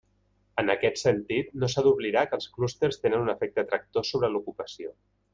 En aquest sentit no s'ha d'oblidar que els clústers tenen un efecte tractor sobre l'ocupació.